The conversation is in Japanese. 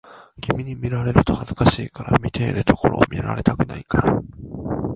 君に見られると恥ずかしいから、見ているところを見られたくないから